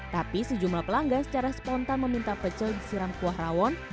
tapi sejumlah pelanggan secara spontan meminta pecel disiram kuah rawon